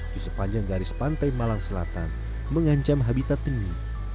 di sepanjang garis pantai malang selatan mengancam habitat tenyu